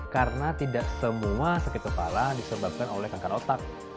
karena tidak semua sakit kepala disebabkan oleh kanker otak